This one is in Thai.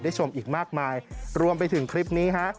ชมอีกมากมายรวมไปถึงคลิปนี้ฮะ